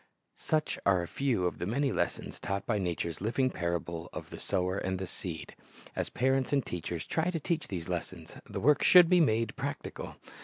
"' Such are a few of the many lessons taught by nature's living parable of the sower and the seed. As parents and teachers try to teach these lessons, the work should be made practical.